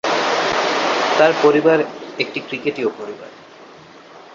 তার পরিবার একটি ক্রিকেটীয় পরিবার।